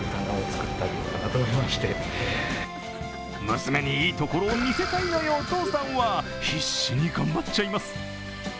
娘にいいところを見せたいお父さんは必死に頑張っちゃいます。